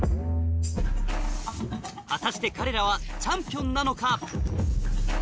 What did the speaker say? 果たして彼らはチャンピオンなのか？